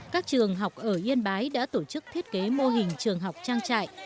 các trường học ở yên bái đã tổ chức thiết kế mô hình trường học trang trại